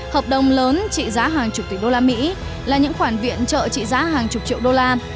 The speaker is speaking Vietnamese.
hợp đồng lớn trị giá hàng chục tỷ đô la mỹ là những khoản viện trợ trị giá hàng chục triệu đô la